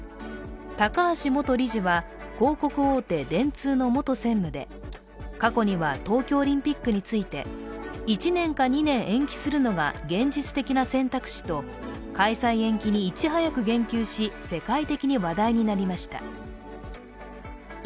高橋元理事は、広告大手・電通の元専務で過去には東京オリンピックについて、１年か２年延期するのが現実的な選択肢と開催延期にいち早く言及し、世界的に話題になりました。